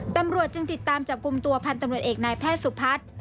ตำรวจจึงติดตามจับกลุ่มตัวพันธ์ตำรวจเอกนายแพทย์สุพัฒน์